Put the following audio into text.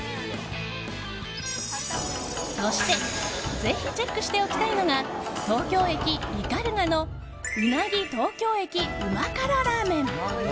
そして、ぜひチェックしておきたいのが東京駅斑鳩のうなぎ東京駅旨辛らー麺。